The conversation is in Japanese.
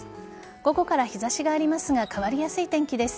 午後から日差しがありますが変わりやすい天気です。